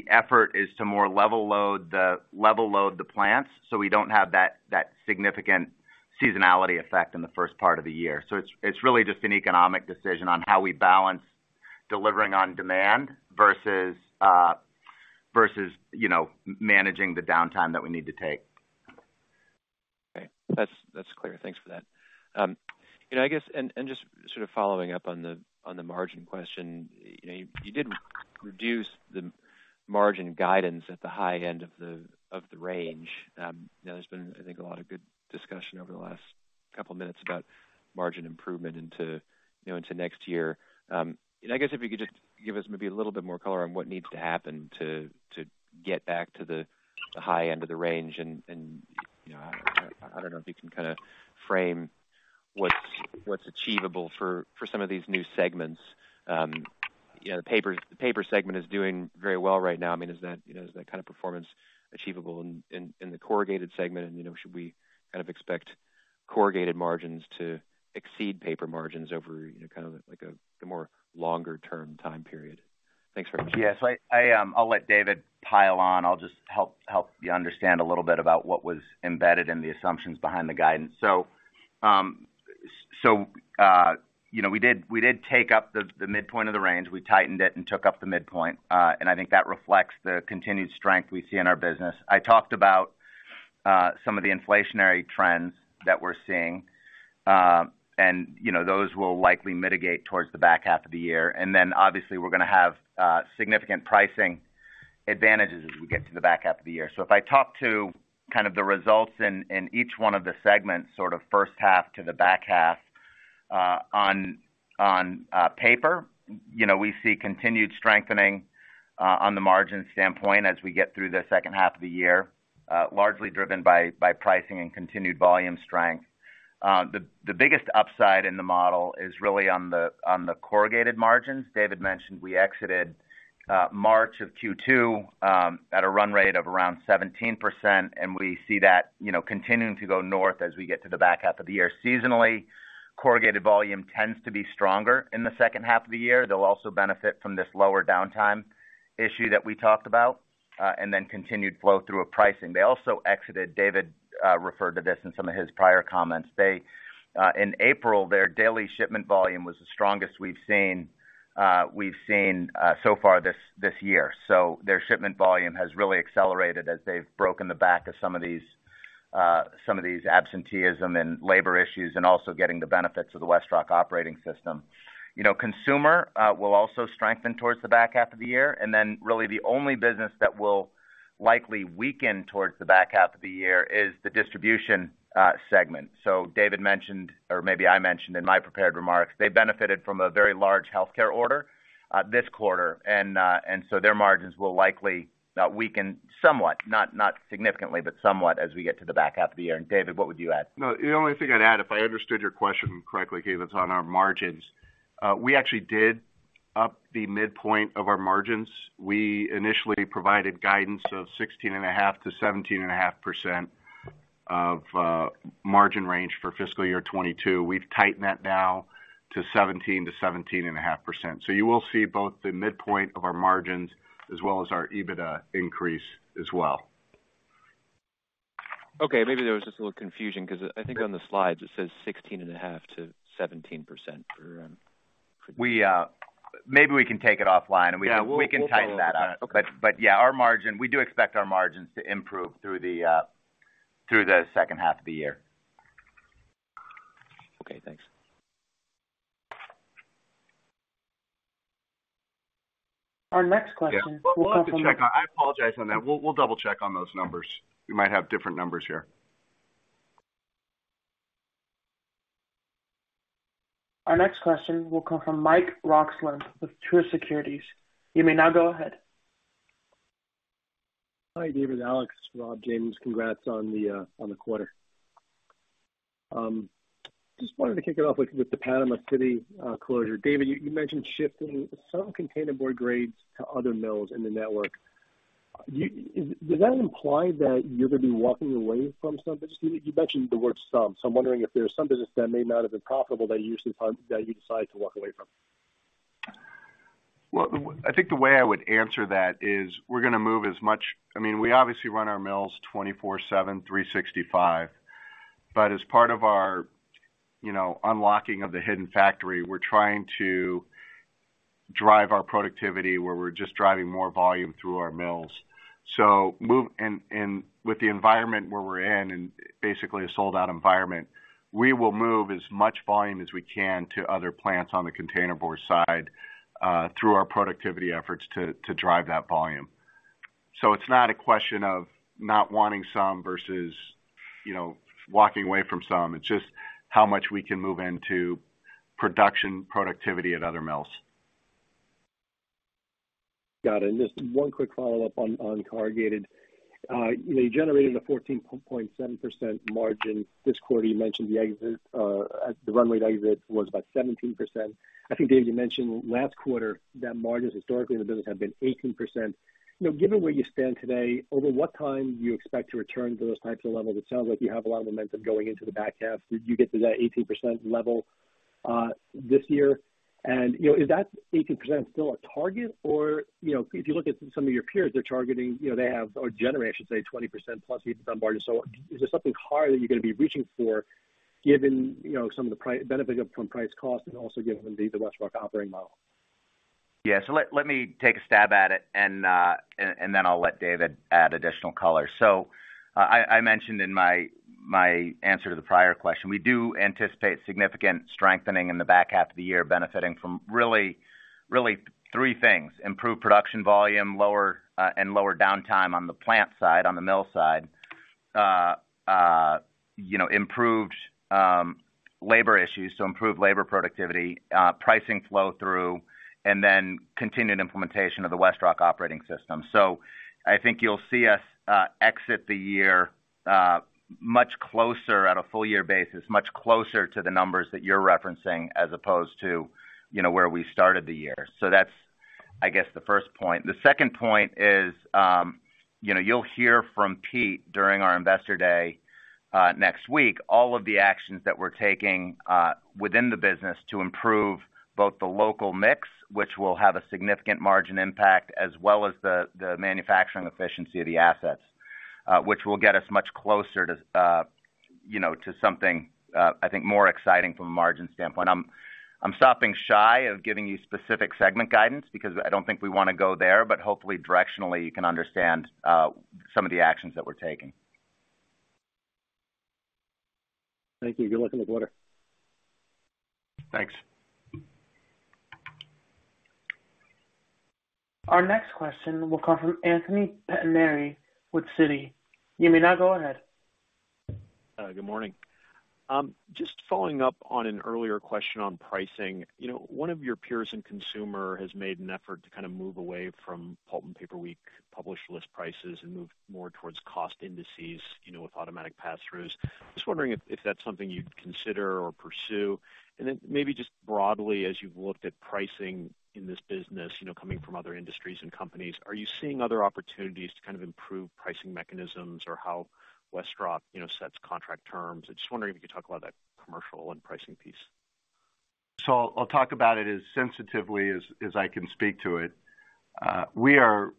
effort is to more level load the plants, so we don't have that significant seasonality effect in the first part of the year. It's really just an economic decision on how we balance delivering on demand versus, you know, managing the downtime that we need to take. Okay. That's clear. Thanks for that. You know, I guess, just sort of following up on the margin question, you know, you did reduce the margin guidance at the high end of the range. You know, there's been, I think, a lot of good discussion over the last couple minutes about margin improvement into next year. I guess if you could just give us maybe a little bit more color on what needs to happen to get back to the high end of the range. You know, I don't know if you can kind of frame what's achievable for some of these new segments. You know, the paper segment is doing very well right now. I mean, is that, you know, is that kind of performance achievable in the corrugated segment? You know, should we kind of expect corrugated margins to exceed paper margins over, you know, kind of like a, the more longer term time period? Thanks very much. Yes, I’ll let David pile on. I’ll just help you understand a little bit about what was embedded in the assumptions behind the guidance. You know, we did take up the midpoint of the range. We tightened it and took up the midpoint. I think that reflects the continued strength we see in our business. I talked about some of the inflationary trends that we’re seeing, and, you know, those will likely mitigate towards the back half of the year. Obviously, we’re gonna have significant pricing advantages as we get to the back half of the year. If I talk to kind of the results in each one of the segments, sort of first half to the back half, on paper, you know, we see continued strengthening on the margin standpoint as we get through the second half of the year, largely driven by pricing and continued volume strength. The biggest upside in the model is really on the corrugated margins. David mentioned we exited March of Q2 at a run rate of around 17%, and we see that, you know, continuing to go north as we get to the back half of the year. Seasonally, corrugated volume tends to be stronger in the second half of the year. They'll also benefit from this lower downtime issue that we talked about, and then continued flow through of pricing. They also exited, David, referred to this in some of his prior comments. They in April, their daily shipment volume was the strongest we've seen so far this year. Their shipment volume has really accelerated as they've broken the back of some of these absenteeism and labor issues, and also getting the benefits of the WestRock operating system. You know, consumer will also strengthen towards the back half of the year. Really the only business that will likely weaken towards the back half of the year is the distribution segment. David mentioned, or maybe I mentioned in my prepared remarks, they benefited from a very large healthcare order this quarter. Their margins will likely weaken somewhat, not significantly, but somewhat as we get to the back half of the year. David, what would you add? No, the only thing I'd add, if I understood your question correctly, Cleve, it's on our margins. We actually did up the midpoint of our margins. We initially provided guidance of 16.5%-17.5% of margin range for fiscal year 2022. We've tightened that now to 17%-17.5%. You will see both the midpoint of our margins as well as our EBITDA increase as well. Okay. Maybe there was just a little confusion because I think on the slides it says 16.5%-17% for- We, maybe we can take it offline and we can tighten that up. Yeah, we'll follow up on it. Okay. Yeah, our margin. We do expect our margins to improve through the second half of the year. Okay, thanks. Our next question will come from. Yeah. We'll have to check on that. I apologize on that. We'll double check on those numbers. We might have different numbers here. Our next question will come from Mike Roxland with Truist Securities. You may now go ahead. Hi, David, Alex, Rob, James. Congrats on the quarter. Just wanted to kick it off with the Panama City closure. David, you mentioned shifting some containerboard grades to other mills in the network. Does that imply that you're gonna be walking away from some business? You mentioned the word some, so I'm wondering if there's some business that may not have been profitable that you decided to walk away from. Well, I think the way I would answer that is I mean, we obviously run our mills 24/7, 365, but as part of our, you know, unlocking of the hidden factory, we're trying to drive our productivity where we're just driving more volume through our mills. With the environment where we're in and basically a sold-out environment, we will move as much volume as we can to other plants on the containerboard side through our productivity efforts to drive that volume. It's not a question of not wanting some versus, you know, walking away from some. It's just how much we can move into production, productivity at other mills. Got it. Just one quick follow-up on corrugated. You know, you generated a 14.7% margin this quarter. You mentioned the exit, the run rate exit was about 17%. I think, Dave, you mentioned last quarter that margins historically in the business have been 18%. You know, given where you stand today, over what time do you expect to return to those types of levels? It sounds like you have a lot of momentum going into the back half. Do you get to that 18% level this year? You know, is that 18% still a target? Or, you know, if you look at some of your peers, they're targeting, you know, they have or generate, I should say, 20%+ EBITDA margin. Is there something higher that you're gonna be reaching for given, you know, some of the benefit from price cost and also given the WestRock operating system? Yeah. Let me take a stab at it and then I'll let David add additional color. I mentioned in my answer to the prior question, we do anticipate significant strengthening in the back half of the year, benefiting from really three things, improved production volume, lower and lower downtime on the plant side, on the mill side, you know, improved labor issues, so improved labor productivity, pricing flow through, and then continued implementation of the WestRock operating system. I think you'll see us exit the year much closer at a full year basis, much closer to the numbers that you're referencing as opposed to, you know, where we started the year. That's, I guess, the first point. The second point is, you know, you'll hear from Pete during our Investor Day next week, all of the actions that we're taking within the business to improve both the local mix, which will have a significant margin impact, as well as the manufacturing efficiency of the assets, which will get us much closer to, you know, to something I think more exciting from a margin standpoint. I'm stopping shy of giving you specific segment guidance because I don't think we wanna go there, but hopefully directionally you can understand some of the actions that we're taking. Thank you. Good luck on the quarter. Thanks. Our next question will come from Anthony Pettinari with Citi. You may now go ahead. Good morning. Just following up on an earlier question on pricing. You know, one of your peers in consumer has made an effort to kind of move away from Pulp & Paper Week published list prices and move more towards cost indices, you know, with automatic passthroughs. Just wondering if that's something you'd consider or pursue. Maybe just broadly, as you've looked at pricing in this business, you know, coming from other industries and companies, are you seeing other opportunities to kind of improve pricing mechanisms or how WestRock sets contract terms? I'm just wondering if you could talk about that commercial and pricing piece. I'll talk about it as sensitively as I can speak to it. We are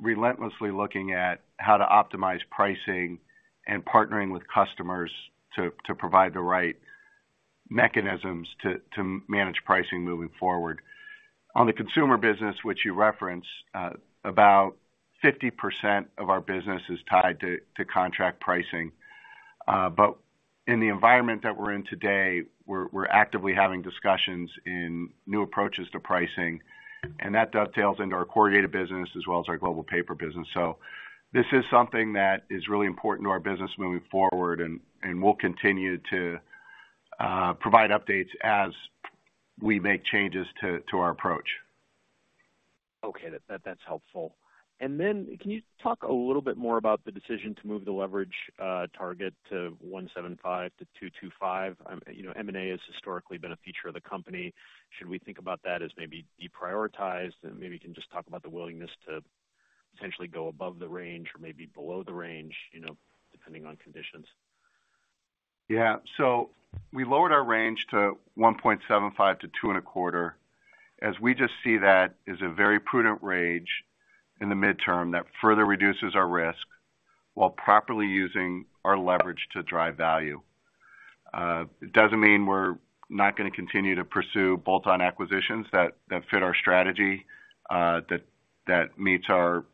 relentlessly looking at how to optimize pricing and partnering with customers to provide the right mechanisms to manage pricing moving forward. On the consumer business which you referenced, about 50% of our business is tied to contract pricing. In the environment that we're in today, we're actively having discussions on new approaches to pricing, and that dovetails into our corrugated business as well as our Global Paper business. This is something that is really important to our business moving forward, and we'll continue to provide updates as we make changes to our approach. Okay, that's helpful. Then can you talk a little bit more about the decision to move the leverage target to 1.75x-2.25x? You know, M&A has historically been a feature of the company. Should we think about that as maybe deprioritized? Maybe you can just talk about the willingness to potentially go above the range or maybe below the range, you know, depending on conditions. Yeah. We lowered our range to 1.75x-2.25x, as we just see that as a very prudent range in the midterm that further reduces our risk while properly using our leverage to drive value. It doesn't mean we're not gonna continue to pursue bolt-on acquisitions that fit our strategy, that meets our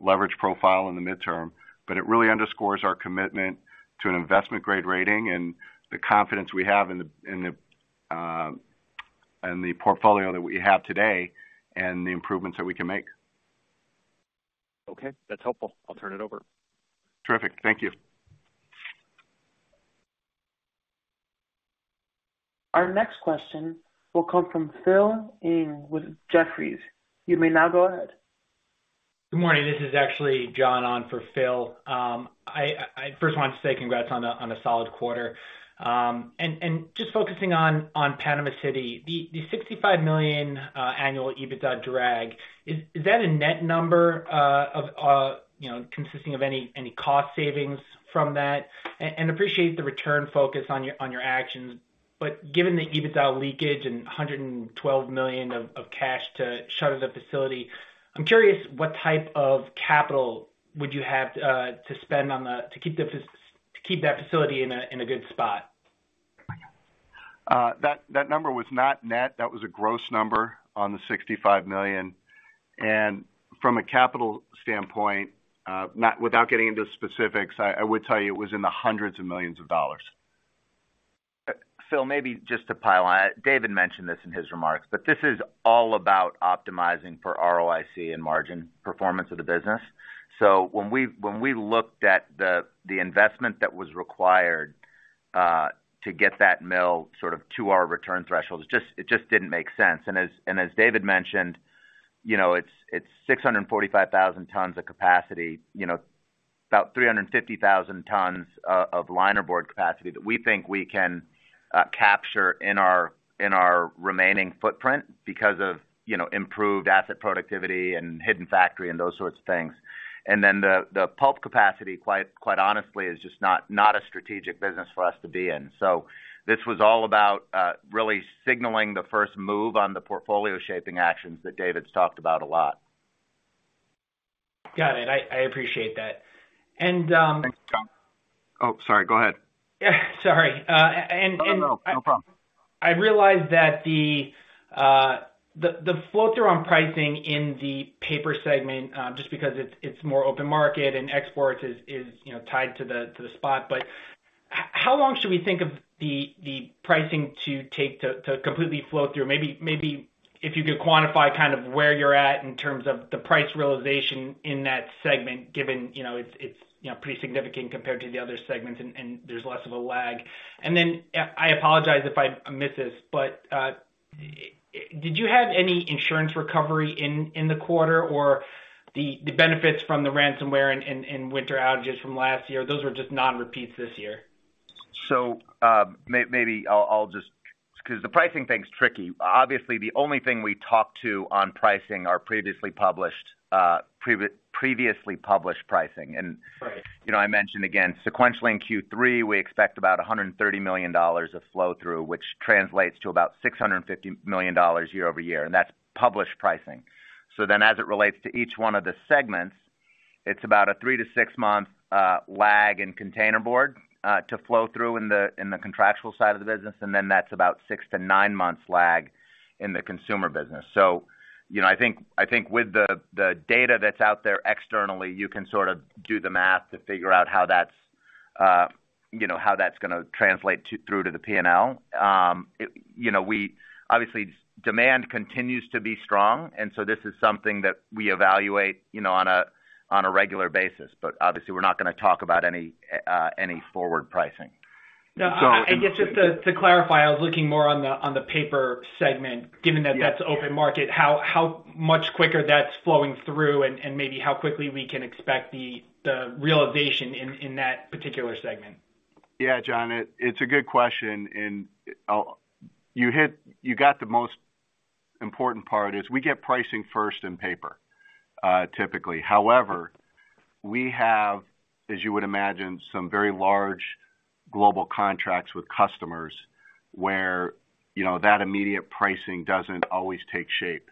leverage profile in the midterm. It really underscores our commitment to an investment-grade rating and the confidence we have in the portfolio that we have today and the improvements that we can make. Okay, that's helpful. I'll turn it over. Terrific. Thank you. Our next question will come from Phil Ng with Jefferies. You may now go ahead. Good morning. This is actually John on for Phil. I first wanted to say congrats on a solid quarter. Just focusing on Panama City, the $65 million annual EBITDA drag, is that a net number of you know consisting of any cost savings from that? Appreciate the return focus on your actions, but given the EBITDA leakage and $112 million of cash to shutter the facility, I'm curious what type of capital would you have to spend to keep that facility in a good spot? That number was not net. That was a gross number on the $65 million. From a capital standpoint, without getting into specifics, I would tell you it was in the hundreds of millions dollars. Phil, maybe just to pile on it, David mentioned this in his remarks, but this is all about optimizing for ROIC and margin performance of the business. When we looked at the investment that was required to get that mill sort of to our return threshold, it just didn't make sense. As David mentioned, you know, it's 645,000 tons of capacity, you know, about 350,000 tons of linerboard capacity that we think we can capture in our remaining footprint because of, you know, improved asset productivity and hidden factory and those sorts of things. Then the pulp capacity, quite honestly, is just not a strategic business for us to be in. This was all about really signaling the first move on the portfolio shaping actions that David's talked about a lot. Got it. I appreciate that. Thanks, John. Oh, sorry, go ahead. Yeah, sorry. No. No problem I realize that the flow-through on pricing in the paper segment, just because it's more open market and exports is, you know, tied to the spot, but how long should we think of the pricing to take to completely flow through? Maybe if you could quantify kind of where you're at in terms of the price realization in that segment, given, you know, it's, you know, pretty significant compared to the other segments and there's less of a lag. Then I apologize if I miss this, but did you have any insurance recovery in the quarter or the benefits from the ransomware and winter outages from last year? Those were just non-repeats this year. Maybe I'll just because the pricing thing's tricky. Obviously, the only thing we talk about on pricing are previously published pricing. Right. You know, I mentioned again, sequentially in Q3, we expect about $130 million of flow-through, which translates to about $650 million year-over-year, and that's published pricing. As it relates to each one of the segments, it's about a three- to six-month lag in Containerboard to flow through in the contractual side of the business, and then that's about six- to nine-month lag in the consumer business. You know, I think with the data that's out there externally, you can sort of do the math to figure out how that's gonna translate through to the P&L. You know, obviously demand continues to be strong, and so this is something that we evaluate, you know, on a regular basis. Obviously we're not gonna talk about any forward pricing. No, I guess just to clarify, I was looking more on the paper segment, given that that's open market, how much quicker that's flowing through and maybe how quickly we can expect the realization in that particular segment. Yeah, John, it's a good question. You got the most important part is we get pricing first in paper, typically. However, we have, as you would imagine, some very large global contracts with customers where, you know, that immediate pricing doesn't always take shape.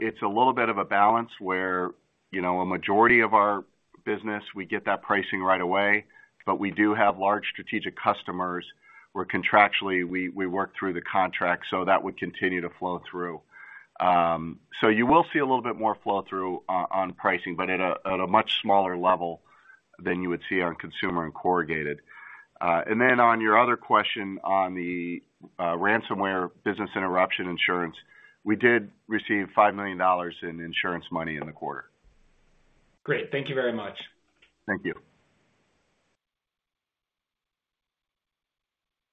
It's a little bit of a balance where, you know, a majority of our business, we get that pricing right away, but we do have large strategic customers where contractually we work through the contract, so that would continue to flow through. You will see a little bit more flow through on pricing, but at a much smaller level than you would see on consumer and corrugated. Then on your other question on the ransomware business interruption insurance, we did receive $5 million in insurance money in the quarter. Great. Thank you very much. Thank you.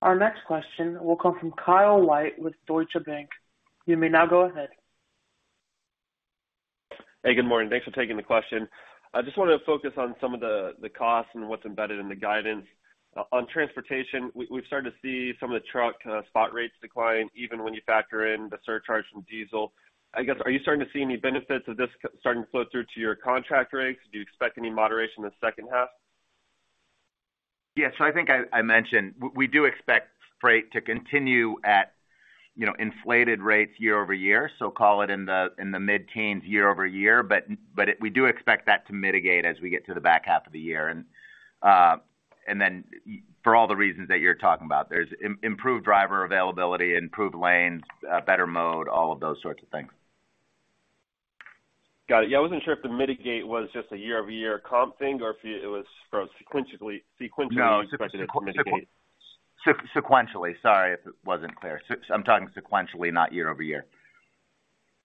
Our next question will come from Kyle White with Deutsche Bank. You may now go ahead. Hey, good morning. Thanks for taking the question. I just wanted to focus on some of the costs and what's embedded in the guidance. On transportation, we've started to see some of the truck spot rates decline even when you factor in the surcharge from diesel. I guess, are you starting to see any benefits of this starting to flow through to your contract rates? Do you expect any moderation in the second half? I think I mentioned we do expect freight to continue at, you know, inflated rates year-over-year, so call it in the mid-teens year-over-year. We do expect that to mitigate as we get to the back half of the year. For all the reasons that you're talking about. There's improved driver availability, improved lanes, better mode, all of those sorts of things. Got it. Yeah, I wasn't sure if the mitigation was just a year-over-year comp thing or if sequentially you expected it to mitigate. No. Sequentially. Sorry if it wasn't clear. I'm talking sequentially, not year-over-year.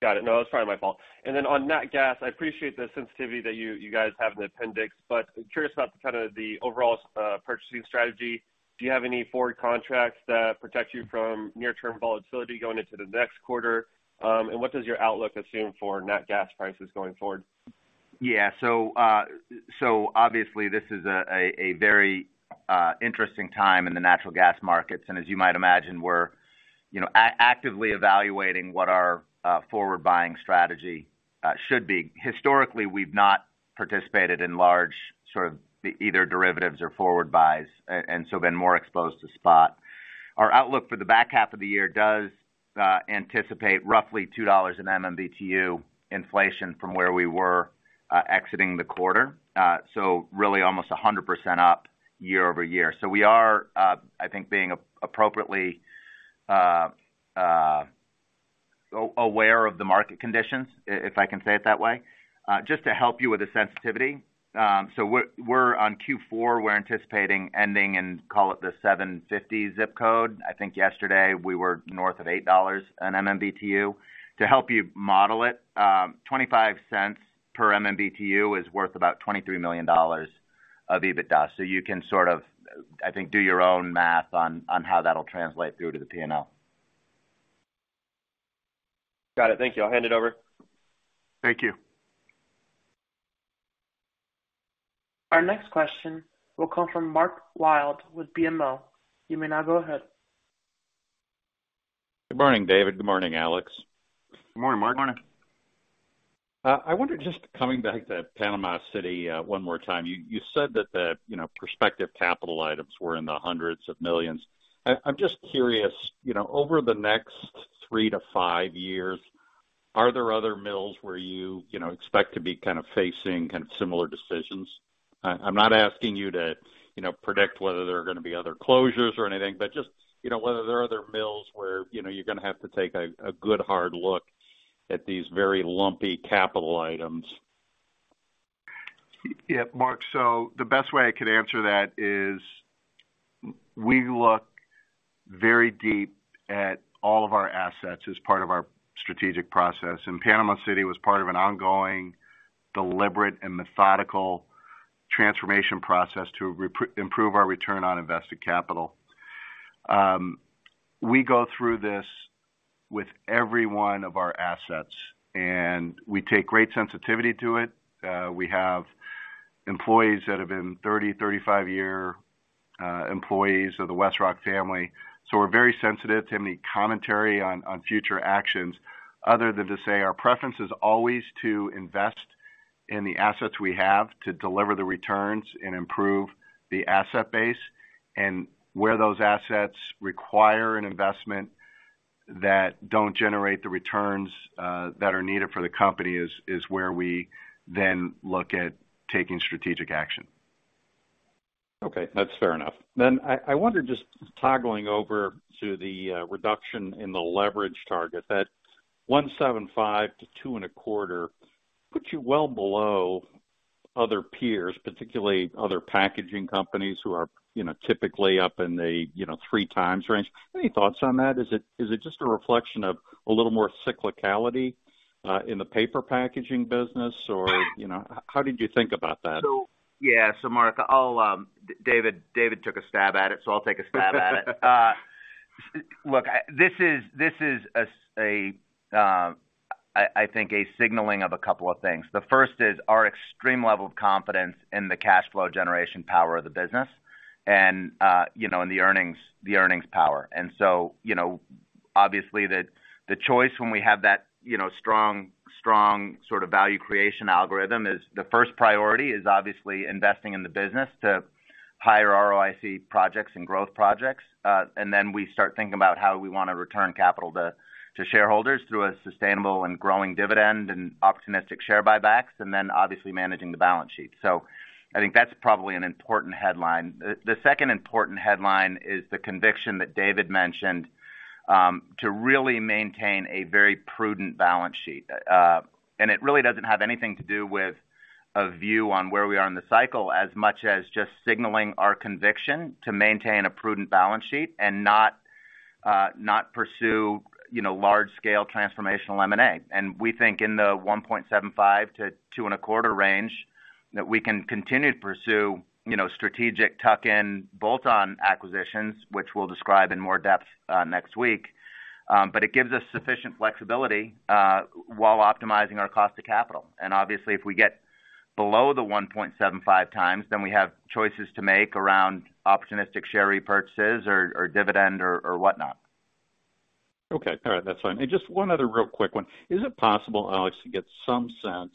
Got it. No, it's probably my fault. On nat gas, I appreciate the sensitivity that you guys have in the appendix, but I'm curious about the kind of the overall purchasing strategy. Do you have any forward contracts that protect you from near-term volatility going into the next quarter? What does your outlook assume for nat gas prices going forward? Obviously this is a very interesting time in the natural gas markets. As you might imagine, we're, you know, actively evaluating what our forward buying strategy should be. Historically, we've not participated in large sort of either derivatives or forward buys, and so been more exposed to spot. Our outlook for the back half of the year does anticipate roughly $2 in MMBTu inflation from where we were exiting the quarter. Really almost 100% up year-over-year. We are, I think, being appropriately aware of the market conditions, if I can say it that way. Just to help you with the sensitivity, we're on Q4, we're anticipating ending in, call it the $7.50 zip code. I think yesterday we were north of $8 per MMBtu. To help you model it, $0.25 per MMBtu is worth about $23 million of EBITDA. You can sort of, I think, do your own math on how that'll translate through to the P&L. Got it. Thank you. I'll hand it over. Thank you. Our next question will come from Mark Wilde with BMO. You may now go ahead. Good morning, David. Good morning, Alex. Good morning, Mark. Morning. I wonder, just coming back to Panama City, one more time. You said that the, you know, prospective capital items were in the hundreds of millions. I'm just curious, you know, over the next three-five years, are there other mills where you know expect to be kind of facing kind of similar decisions? I'm not asking you to, you know, predict whether there are gonna be other closures or anything, but just, you know, whether there are other mills where, you know, you're gonna have to take a good hard look at these very lumpy capital items. Yeah, Mark, the best way I could answer that is we look very deep at all of our assets as part of our strategic process, and Panama City was part of an ongoing, deliberate, and methodical transformation process to improve our return on invested capital. We go through this with every one of our assets, and we take great sensitivity to it. We have employees that have been 35-year employees of the WestRock family, so we're very sensitive to any commentary on future actions other than to say our preference is always to invest in the assets we have to deliver the returns and improve the asset base. Where those assets require an investment that don't generate the returns that are needed for the company is where we then look at taking strategic action. Okay, that's fair enough. I wonder, just toggling over to the reduction in the leverage target, that 1.75x-2.25x puts you well below other peers, particularly other packaging companies who are, you know, typically up in the, you know, 3x range. Any thoughts on that? Is it just a reflection of a little more cyclicality in the paper packaging business or, you know, how did you think about that? Mark, I'll take a stab at it. David took a stab at it. Look, this is a signaling of a couple of things. The first is our extreme level of confidence in the cash flow generation power of the business and, you know, in the earnings power. You know, obviously the choice when we have that, you know, strong sort of value creation algorithm is obviously investing in the business to higher ROIC projects and growth projects. We start thinking about how we wanna return capital to shareholders through a sustainable and growing dividend and opportunistic share buybacks, and then obviously managing the balance sheet. I think that's probably an important headline. The second important headline is the conviction that David mentioned to really maintain a very prudent balance sheet. It really doesn't have anything to do with a view on where we are in the cycle, as much as just signaling our conviction to maintain a prudent balance sheet and not pursue, you know, large scale transformational M&A. We think in the 1.75x-2.25x range that we can continue to pursue, you know, strategic tuck-in bolt-on acquisitions, which we'll describe in more depth next week. It gives us sufficient flexibility while optimizing our cost of capital. Obviously, if we get below the 1.75x, then we have choices to make around opportunistic share repurchases or dividend or whatnot. Okay. All right. That's fine. Just one other real quick one. Is it possible, Alex, to get some sense,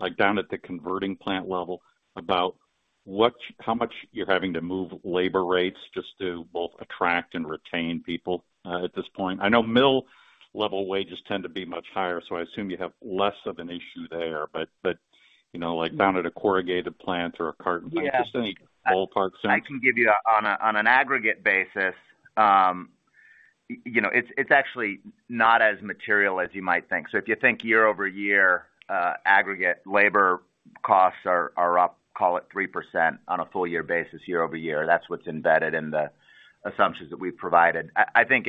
like down at the converting plant level about how much you're having to move labor rates just to both attract and retain people at this point? I know mill level wages tend to be much higher, so I assume you have less of an issue there. But, you know, like down at a corrugated plant or a carton plant. Just any ballpark sense. I can give you on an aggregate basis. You know, it's actually not as material as you might think. If you think year-over-year, aggregate labor costs are up, call it 3% on a full year basis, year-over-year. That's what's embedded in the assumptions that we've provided. I think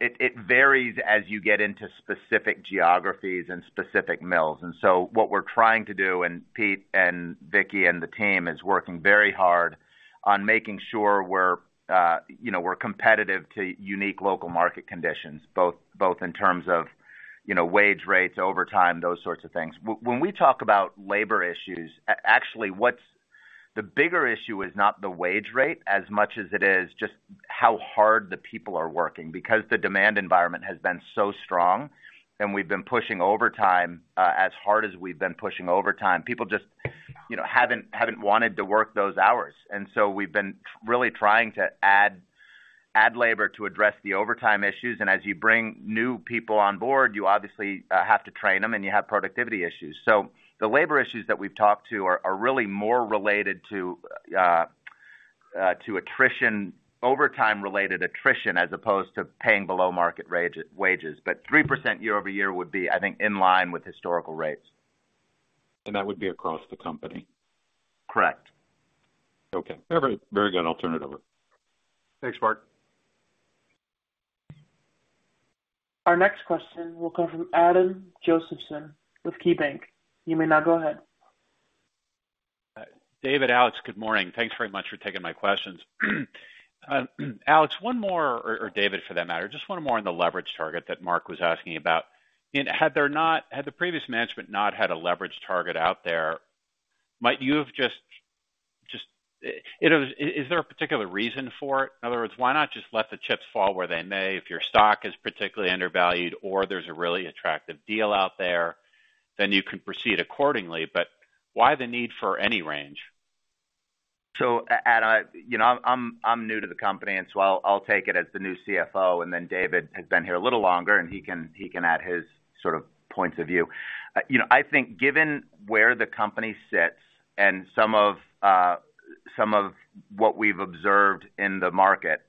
it varies as you get into specific geographies and specific mills. What we're trying to do, and Pete and Vicky and the team is working very hard on making sure we're, you know, we're competitive to unique local market conditions, both in terms of, you know, wage rates over time, those sorts of things. When we talk about labor issues, actually what's the bigger issue is not the wage rate as much as it is just how hard the people are working, because the demand environment has been so strong and we've been pushing overtime. As hard as we've been pushing overtime, people just, you know, haven't wanted to work those hours. We've been really trying to add labor to address the overtime issues. As you bring new people on board, you obviously have to train them and you have productivity issues. The labor issues that we've talked to are really more related to attrition, overtime related attrition as opposed to paying below market rag-wages. Three percent year-over-year would be, I think, in line with historical rates. That would be across the company? Correct. Okay. Very, very good. I'll turn it over. Thanks, Mark. Our next question will come from Adam Josephson with KeyBanc. You may now go ahead. David, Alex, good morning. Thanks very much for taking my questions. Alex, one more, or David for that matter, just one more on the leverage target that Mark was asking about. Had the previous management not had a leverage target out there, might you have just, Is there a particular reason for it? In other words, why not just let the chips fall where they may if your stock is particularly undervalued or there's a really attractive deal out there, then you can proceed accordingly. Why the need for any range? Adam, you know, I'm new to the company and so I'll take it as the new CFO. David has been here a little longer and he can add his sort of points of view. You know, I think given where the company sits and some of what we've observed in the market,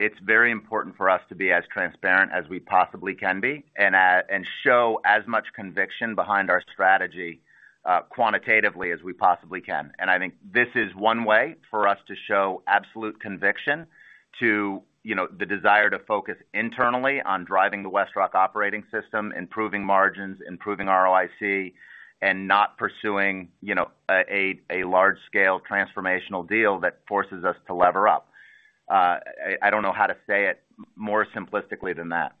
it's very important for us to be as transparent as we possibly can be and show as much conviction behind our strategy quantitatively as we possibly can. I think this is one way for us to show absolute conviction to the desire to focus internally on driving the WestRock operating system, improving margins, improving ROIC, and not pursuing a large scale transformational deal that forces us to lever up. I don't know how to say it more simplistically than that.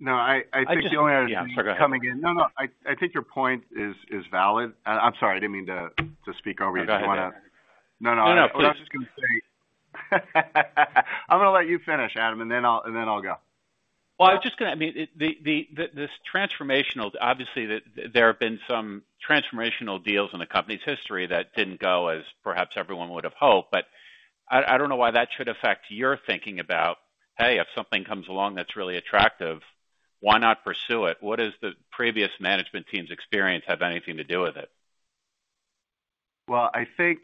No, I think the only other thing coming in. Yeah. Go ahead. No, no. I think your point is valid. I'm sorry. I didn't mean to speak over you. Go ahead. No, no. I was just gonna say I'm gonna let you finish, Adam, and then I'll go. Well, I mean, this transformational. Obviously, there have been some transformational deals in the company's history that didn't go as perhaps everyone would have hoped. I don't know why that should affect your thinking about, hey, if something comes along that's really attractive, why not pursue it? What does the previous management team's experience have anything to do with it? Well, I think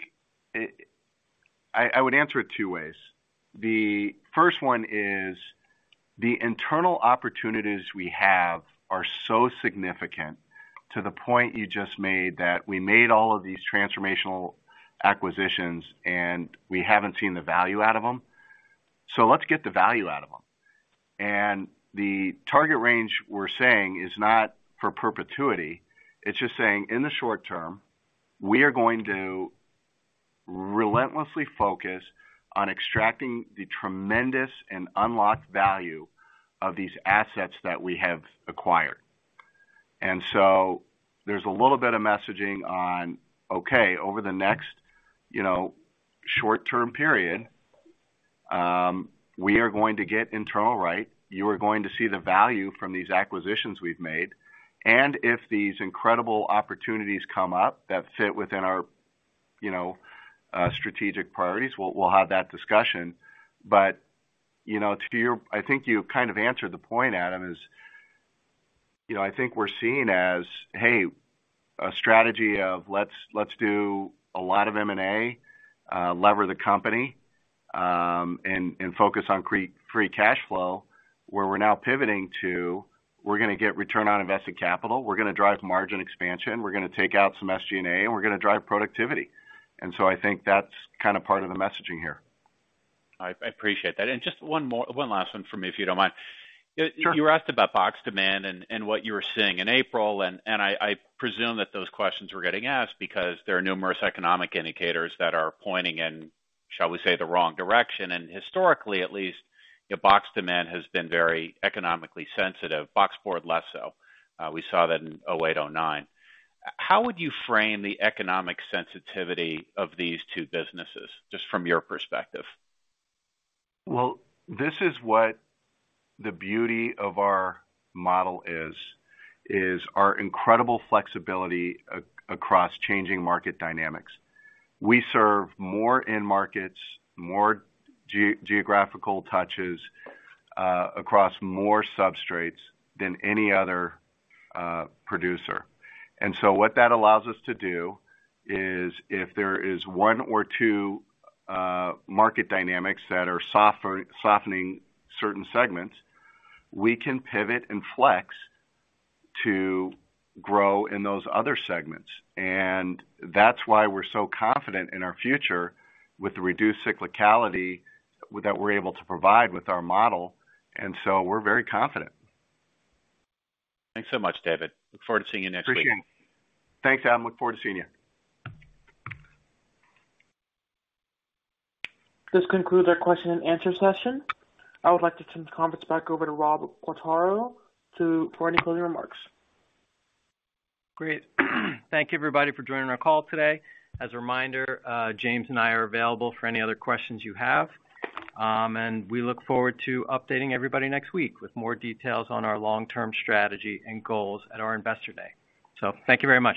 I would answer it two ways. The first one is, the internal opportunities we have are so significant to the point you just made, that we made all of these transformational acquisitions and we haven't seen the value out of them. Let's get the value out of them. The target range we're saying is not for perpetuity. It's just saying, in the short term, we are going to relentlessly focus on extracting the tremendous and unlocked value of these assets that we have acquired. There's a little bit of messaging on, okay, over the next, you know, short term period, we are going to get internal right. You are going to see the value from these acquisitions we've made. If these incredible opportunities come up that fit within our, you know, strategic priorities, we'll have that discussion. You know, to your point, I think you kind of answered the point, Adam, is, you know, I think we're seen as, hey, a strategy of let's do a lot of M&A, leverage the company, and focus on free cash flow. Where we're now pivoting to, we're gonna get return on invested capital, we're gonna drive margin expansion, we're gonna take out some SG&A, and we're gonna drive productivity. I think that's kind of part of the messaging here. I appreciate that. Just one last one for me, if you don't mind. Sure. You were asked about box demand and what you were seeing in April. I presume that those questions were getting asked because there are numerous economic indicators that are pointing in, shall we say, the wrong direction. Historically, at least, you know, box demand has been very economically sensitive. Boxboard less so. We saw that in 2008, 2009. How would you frame the economic sensitivity of these two businesses, just from your perspective? Well, this is what the beauty of our model is our incredible flexibility across changing market dynamics. We serve more end markets, more geographical touches, across more substrates than any other producer. What that allows us to do is if there is one or two market dynamics that are softening certain segments, we can pivot and flex to grow in those other segments. That's why we're so confident in our future with the reduced cyclicality that we're able to provide with our model. We're very confident. Thanks so much, David. Look forward to seeing you next week. Appreciate it. Thanks, Adam. Look forward to seeing you. This concludes our question and answer session. I would like to turn the conference back over to Rob Quartaro for any closing remarks. Great. Thank you everybody for joining our call today. As a reminder, James and I are available for any other questions you have. We look forward to updating everybody next week with more details on our long-term strategy and goals at our Investor Day. Thank you very much.